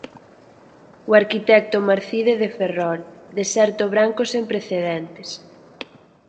O Arquitecto Marcide de Ferrol: deserto branco "sen precedentes"